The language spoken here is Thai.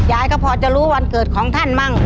ยายก็พอจะรู้วันเกิดของท่านมั่ง